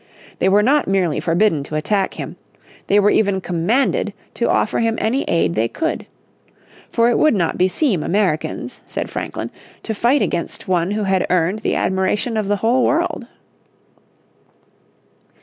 They were not merely forbidden to attack him, they were even commanded to offer him any aid they could. For it would not beseem Americans, said Franklin, to fight against one who had earned the admiration of the whole world.